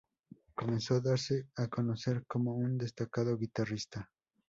Comenzó a darse a conocer como un destacado guitarrista.